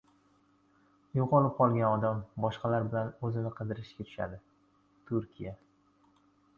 Yo‘qolib qolgan odam boshqalar bilan o‘zini qidirishga tushdi -Turkiya